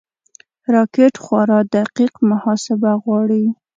راکټ خورا دقیق محاسبه غواړي